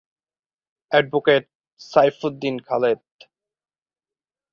advocate Saifuddin Khaled